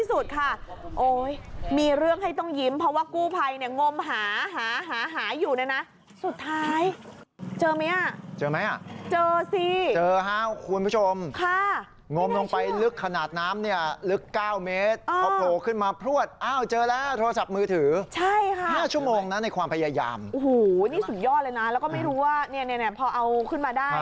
สุดค่ะโอ๊ยมีเรื่องให้ต้องยิ้มเพราะว่ากูไพนังงมหาหาหาหาอยู่แล้วน่ะสุดท้ายเจอไม่อ่ะเจอไม่อ่ะเจอสิเจอห้าคุณผู้ชมค่ะงมลงไปลึกขนาดน้ำเนี้ยลึกเก้าเมตรอ่าเขาถูกขึ้นมาพรวชอ้าวเจอแล้วโทรศัพท์มือถือใช่ค่ะห้าชั่วโมงน่ะในความพยายามโอ้โหนี่สุดยอดเลยน่